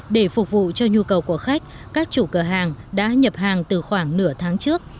để phục vụ cho nhu cầu của khách các chủ cửa hàng đã nhập hàng từ khoảng nửa tháng trước